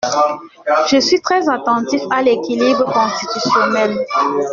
Je suis très attentif à l’équilibre constitutionnel.